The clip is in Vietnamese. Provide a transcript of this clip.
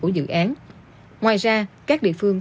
của dự án ngoài ra các địa phương